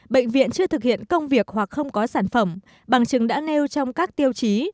bệnh viện chưa thực hiện công việc hoặc không có sản phẩm bằng chứng đã nêu trong các tiêu chí